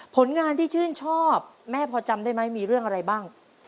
ผลงานที่ชื่นชอบแม่พอจำได้ไหมมีเรื่องอะไรบ้าง